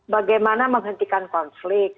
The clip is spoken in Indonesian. bagaimana menghentikan konflik